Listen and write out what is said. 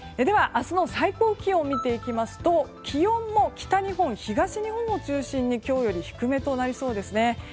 では、明日の最高気温を見ていきますと気温も北日本、東日本を中心に今日より低めとなりそうです。